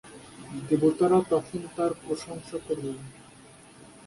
দেবতারা তখন তার প্রশংসা করলেন।